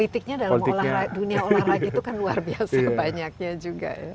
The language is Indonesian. dan politiknya dalam dunia olahraga itu kan luar biasa banyaknya juga ya